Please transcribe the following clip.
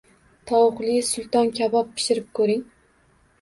Tovuqli sulton kabob pishirib ko‘ring